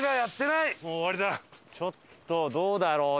ちょっとどうだろうね？